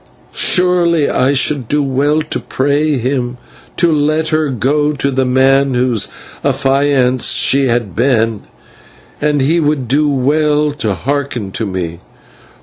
Surely I should do well to pray him to let her go to the man whose affianced she had been, and he would do well to hearken to me.